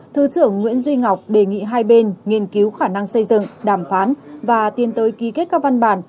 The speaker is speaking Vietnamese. thứ trưởng nguyễn duy ngọc đề nghị hai bên nghiên cứu khả năng xây dựng đàm phán và tiến tới ký kết các văn bản